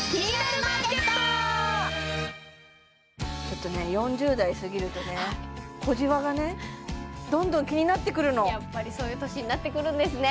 ちょっとね４０代過ぎるとね小じわがねどんどん気になってくるのやっぱりそういう年になってくるんですね